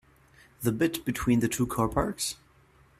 The bit between the two car parks?